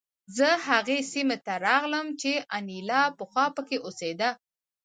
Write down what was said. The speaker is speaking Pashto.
زه هغې سیمې ته راغلم چې انیلا پخوا پکې اوسېده